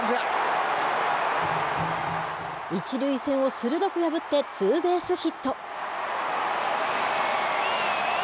一塁線を鋭く破って、ツーベースヒット。